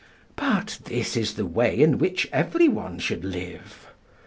But this is the way in which everyone should live.